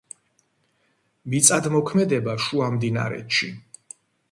მიწადმოქმედება შუამდინარეთში